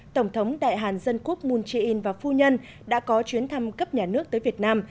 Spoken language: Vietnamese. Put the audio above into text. tổng thống đại hàn dân quốc moon jae in và phu nhân đã có chuyến thăm cấp nhà nước tới việt nam